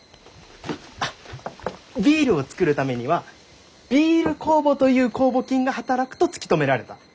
あっビールを造るためにはビール酵母という酵母菌が働くと突き止められた。